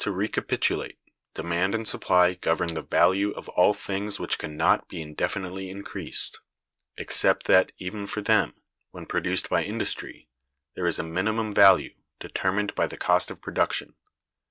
To recapitulate: demand and supply govern the value of all things which can not be indefinitely increased; except that even for them, when produced by industry, there is a minimum value, determined by the cost of production.